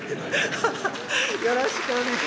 ハハッよろしくお願いします。